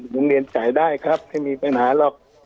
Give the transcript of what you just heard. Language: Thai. โรงเรียนจ่ายได้ครับไม่มีปัญหาหรอก